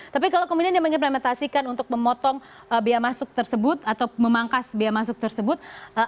tapi kalau kemudian dia mengimplementasikan untuk memotong biaya masuk tersebut atau memangkas biaya masuk tersebut